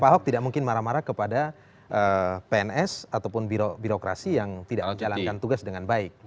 pak ahok tidak mungkin marah marah kepada pns ataupun birokrasi yang tidak menjalankan tugas dengan baik